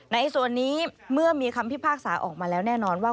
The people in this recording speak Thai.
ในส่วนนี้เมื่อมีคำพิพากษาออกมาแล้วแน่นอนว่า